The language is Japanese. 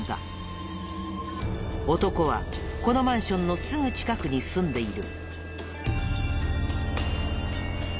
男はこのマンションのすぐ近くに住んでいる。